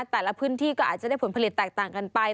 แต่ละพื้นที่ก็อาจจะได้ผลผลิตแตกต่างกันไป